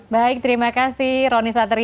baik terima kasih roni satri